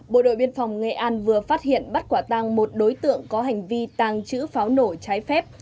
bộ đội biên phòng nghệ an vừa phát hiện bắt quả tăng một đối tượng có hành vi tàng trữ pháo nổ trái phép